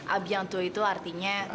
abiyangtu itu artinya